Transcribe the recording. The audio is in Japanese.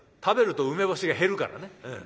食べると梅干しが減るからね。